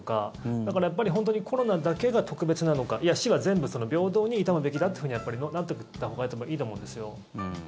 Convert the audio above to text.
だから、やっぱり本当にコロナだけが特別なのかいや、死は全部平等に悼むべきだというふうになっていったほうがいいと思うんですよ。